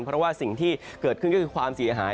เพราะว่าสิ่งที่เกิดขึ้นก็คือความเสียหาย